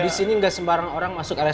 rena mau bicara apa sayang pelan pelan